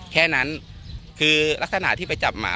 แค่นั้นคือลักษณะที่ไปจับหมา